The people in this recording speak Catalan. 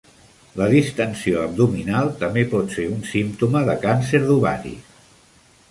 La distensió abdominal també pot ser un símptoma de càncer d'ovaris.